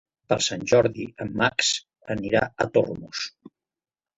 Per Sant Jordi en Max anirà a Tormos.